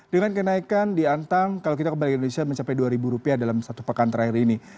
dengan kenaikan di antang kalau kita kembali ke indonesia mencapai dua ribu rupiah dalam satu pekan terakhir ini